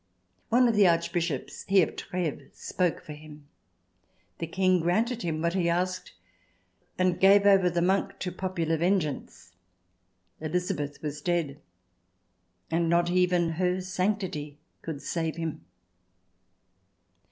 One of the Arch bishops — he of Treves — spoke for him. The King granted him what he asked, and gave over the monk to popular vengeance. Elizabeth was dead, and not even her sanctity could save him.